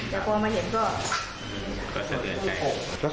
แต่พอมาเห็นก็สะเทือนใจ